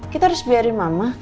kita harus biarin mama